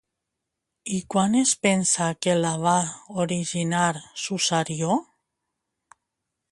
I quan es pensa que la va originar Susarió?